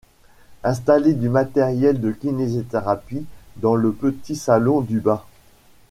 Installer du matériel de kinésithérapie dans le petit salon du bas.